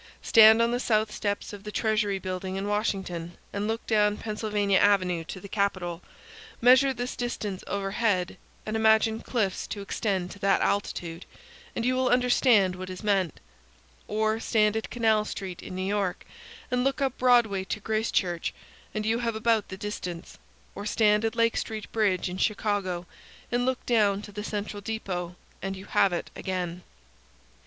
Stand on the south steps of the Treasury building in Washington and look down Pennsylvania Avenue to the Capitol; measure this distance overhead, and imagine cliffs to extend to that altitude, and you will understand what is meant; or stand at Canal Street in New York and look up Broadway to Grace Church, and you have about the distance; or stand at Lake Street bridge in Chicago and look down to the Central Depot, and you have it again.